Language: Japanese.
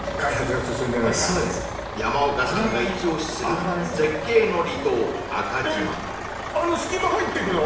山岡さんがイチ押しする絶景の離島あの隙間入ってくの？